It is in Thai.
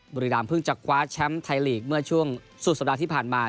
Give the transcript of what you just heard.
บุรีรามเพิ่งจะคว้าแชมป์ไทยลีกเมื่อช่วงสุดสัปดาห์ที่ผ่านมา